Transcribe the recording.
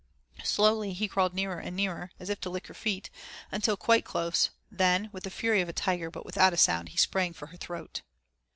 Slowly he crawled nearer and nearer, as if to lick her feet, until quite close, then, with the fury of a tiger, but without a sound, he sprang for her throat.